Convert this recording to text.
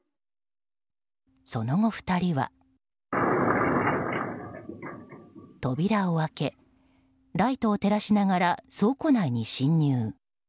その後、２人は扉を開けライトを照らしながら倉庫内に侵入。